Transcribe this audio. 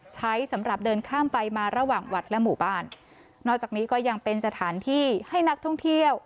สำหรับเดินข้ามไปมาระหว่างวัดและหมู่บ้านนอกจากนี้ก็ยังเป็นสถานที่ให้นักท่องเที่ยว